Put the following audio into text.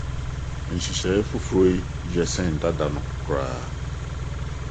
Nhyehyɛe foforo yi ye sen dedaw no koraa.